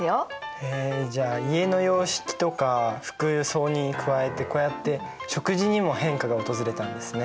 へえじゃあ家の様式とか服装に加えてこうやって食事にも変化が訪れたんですね。